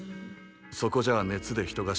そこじゃあ熱で人が死んでいく。